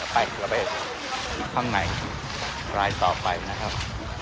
ไปข้างในรายต่อไปนะครับ